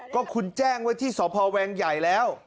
ก็คุณแจ้งไว้ที่สพแวงใหญ่แล้ว